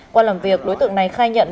qua làm việc đối tượng này khai nhận